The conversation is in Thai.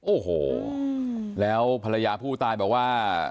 โอ้โหแล้วภรรยาผู้ตายบอกว่า